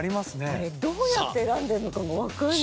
どうやって選んでるのかも分かんない。